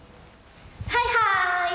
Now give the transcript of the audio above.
はいはい！